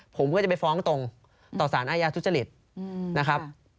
ผมก็จะไปฟ้องตรงต่อสารอาญาทุจริตนะครับ